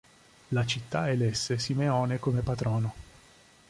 La città elesse Simeone come patrono.